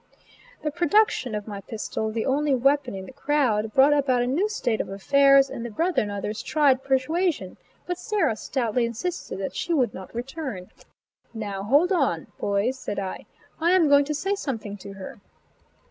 The production of my pistol, the only weapon in the crowd, brought about a new state of affairs, and the brother and others tried persuasion; but Sarah stoutly insisted that she would not return. "Now hold on," boys, said I, "I am going to say something to her."